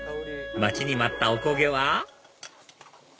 待ちに待ったお焦げは？